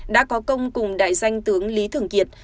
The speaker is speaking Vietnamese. đã có công cùng đại danh tướng lý thường kiệt